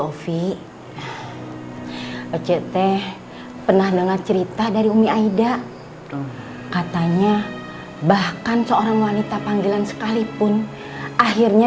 ovi oct pernah dengar cerita dari umi aida katanya bahkan seorang wanita panggilan sekalipun akhirnya